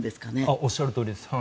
おっしゃるとおりです。